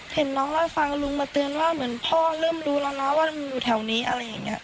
เห็นน้องเล่าให้ฟังลุงมาเตือนว่าเหมือนพ่อเริ่มรู้แล้วนะว่าลุงอยู่แถวนี้อะไรอย่างนี้